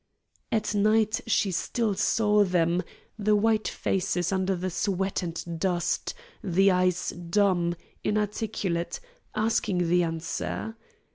At night she still saw them: the white faces under the sweat and dust, the eyes dumb, inarticulate, asking the answer.